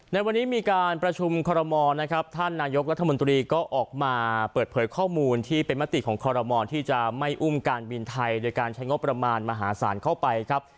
ในวันนี้มีการประชุมคอรมอลนะครับท่านนายกรัฐมนตรีก็ออกมาเปิดเผยข้อมูลที่เป็นมติของคอรมอลที่จะไม่อุ้มการบินไทยโดยการใช้งบประมาณมหาศาลเข้าไปครับ